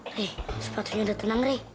rey sepatunya udah tenang rey